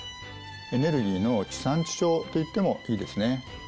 エネルギーの地産地消と言ってもいいですね。